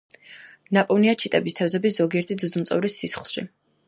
ნაპოვნია ჩიტების, თევზების, ზოგიერთი ძუძუმწოვრის სისხლში.